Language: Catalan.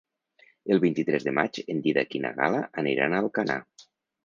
El vint-i-tres de maig en Dídac i na Gal·la aniran a Alcanar.